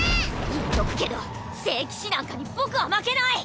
言っとくけど聖騎士なんかに僕は負けない！